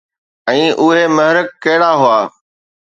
۽ اهي محرڪ ڪهڙا هئا؟